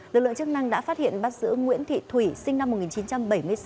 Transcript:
lực lượng chức năng đã phát hiện bắt giữ nguyễn thị thủy sinh năm một nghìn chín trăm bảy mươi sáu